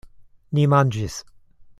Ni manĝis.